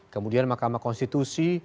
kemudian mahkamah konstitusi